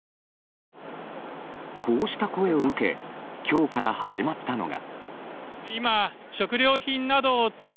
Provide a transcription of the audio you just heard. こうした声を受け今日から始まったのが。